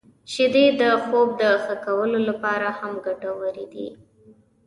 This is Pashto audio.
• شیدې د خوب د ښه کولو لپاره هم ګټورې دي.